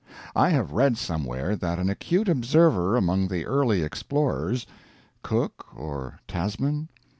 I have read somewhere that an acute observer among the early explorers Cook? or Tasman?